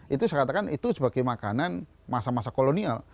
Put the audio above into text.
itu saya katakan itu sebagai makanan masa masa kolonial